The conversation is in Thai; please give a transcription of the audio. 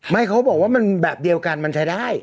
เขาบอกว่ามันแบบเดียวกันมันใช้ได้